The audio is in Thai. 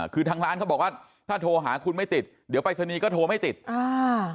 คือทางร้านเขาบอกว่าถ้าโทรหาคุณไม่ติดเดี๋ยวปรายศนีย์ก็โทรไม่ติดอ่า